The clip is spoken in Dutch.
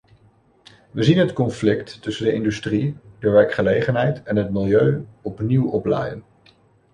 We zien het conflict tussen de industrie, de werkgelegenheid en het milieu opnieuw oplaaien.